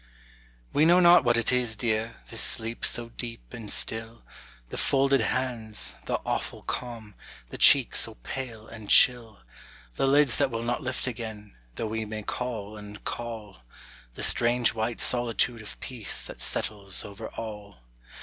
'"] We know not what it is, dear, this sleep so deep and still; The folded hands, the awful calm, the cheek so pale and chill; The lids that will not lift again, though we may call and call; The strange white solitude of peace that settles over all.